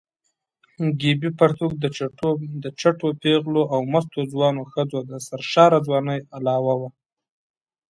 ګیبي پرتوګ د چټو پېغلو او مستو ځوانو ښځو د سرشاره ځوانۍ علامه وه.